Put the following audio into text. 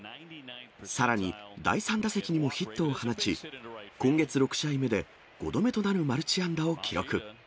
さらに、第３打席にもヒットを放ち、今月６試合目で５度目となるマルチ安打を記録。